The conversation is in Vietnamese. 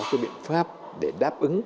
một số biện pháp để đáp ứng